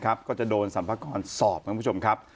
ก็จะโดนสัมพักรณ์สอบนะครับประชุมครับ